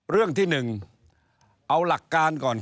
เรื่องที่หนึ่งเอาหลักการก่อนครับ